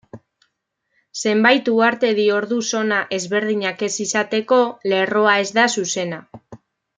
Zenbait uhartedi ordu-zona ezberdinak ez izateko, lerroa ez da zuzena.